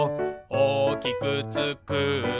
「おおきくつくって」